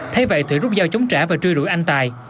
thế vậy thủy rút dao chống trả và truy rủi anh tài